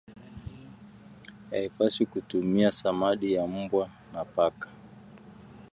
haipaswi kutumia samadi ya mbwa na paka